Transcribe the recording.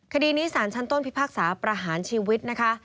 คดีนี้สารชั้นต้นพิพากษาประหารชีวิตนะคะ